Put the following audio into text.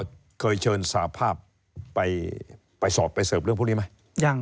เคยเชิญสาภาพไปสอบไปเสิร์ฟเรื่องพวกนี้ไหม